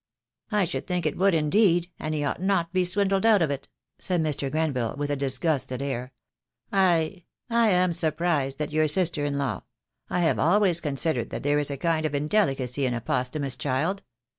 "I should think it would indeed, and he ought not be swindled out of it," said Mr. Grenville, with a dis gusted air. "I — I am surprised at your sister in law! I have always considered that there is a kind of indelicacy in a posthumous child.